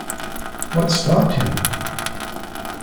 What stopped him?